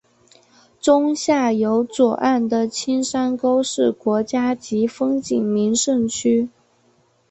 中下游左岸的青山沟是国家级风景名胜区。